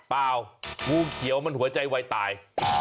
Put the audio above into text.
เปล่างูเขียวมันหัวใจวัยตาย